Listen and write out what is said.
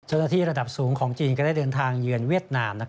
ระดับสูงของจีนก็ได้เดินทางเยือนเวียดนาม